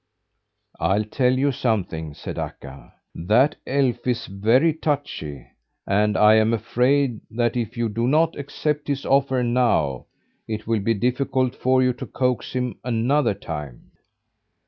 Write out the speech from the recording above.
"I'll tell you something," said Akka. "That elf is very touchy, and I'm afraid that if you do not accept his offer now, it will be difficult for you to coax him another time."